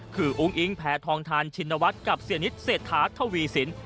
คืออุ้งอิงแพทองทานชินวัฒน์กับเสียนิดเศรษฐาทวีสิน